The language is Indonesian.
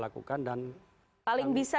lakukan dan paling bisa